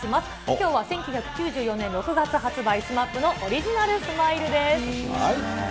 きょうは１９９４年６月発売、ＳＭＡＰのオリジナルスマイルです。